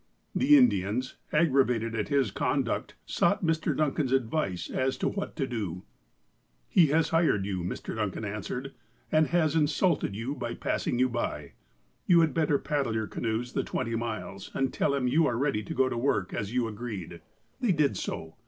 The Indians, aggravated at his conduct, sought Mr. Duncan's advice as to what to do. "He has hired you," Mr. Duncan answered, "and has insulted you by passing you by. You had better paddle your canoes the twenty miles, and tell him you are ready to go to work, as you agreed." They did so.